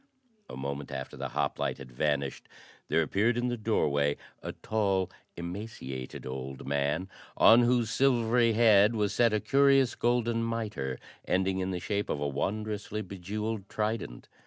A moment after the hoplite had vanished, there appeared in the doorway a tall, emaciated old man on whose silvery head was set a curious golden mitre ending in the shape of a wondrously bejewelled trident.